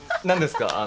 何ですか？